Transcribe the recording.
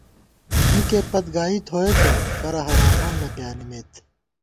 مِکے پت گائی تھوئېتہ کرہ حرام بُم نہ پیانِمېت